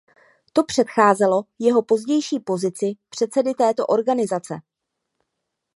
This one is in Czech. To předcházelo jeho pozdější pozici předsedy této organizace.